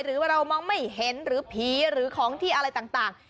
หรือว่าเรามองไม่เห็นหรือผีหรือของที่อะไรต่าง